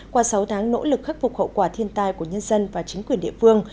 qua sáu tháng nỗ lực khắc phục hậu quả thiên tai của nhân dân và chính quyền địa phương